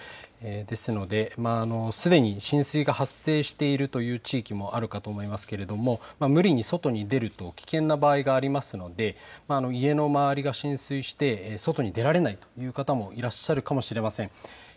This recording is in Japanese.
ですので、すでに浸水が発生しているという地域もあるかと思いますけれども無理に外に出ると危険な場合がありますので家の周りが浸水して外に出られないという方もいらっしゃるかもしれません。